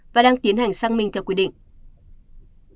và đang tiến hành sang minh theo quy định